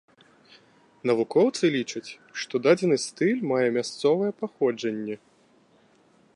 Навукоўцы лічаць, што дадзены стыль мае мясцовае паходжанне.